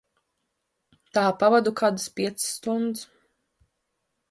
Tā pavadu kādas piecas stundas.